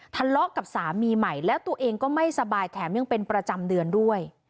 ทะเลาะกับสามีใหม่แล้วตัวเองก็ไม่สบายแถมยังเป็นประจำเดือนด้วย